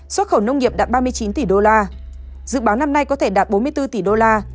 xuất khẩu nông nghiệp đạt ba mươi chín tỷ đô la dự báo năm nay có thể đạt bốn mươi bốn tỷ đô la